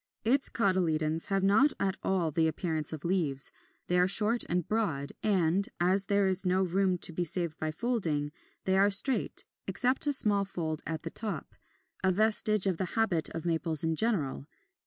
Its cotyledons have not at all the appearance of leaves; they are short and broad, and (as there is no room to be saved by folding) they are straight, except a small fold at the top, a vestige of the habit of Maples in general.